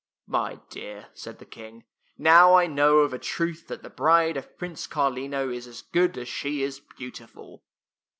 " My dear," said the King, " now I know of a truth that the bride of Prince Cariino is as good as she is beautiful."